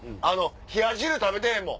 冷や汁食べてへんもん。